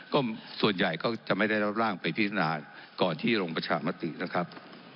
ก็ส่วนใหญ่ก็จะไม่ได้รับร่างไปพิจารณาก่อนที่ลงประชามตินะครับ